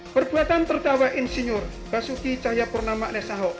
perbuatan terdakwa insinyur basuki cahyapurnama alaih sahab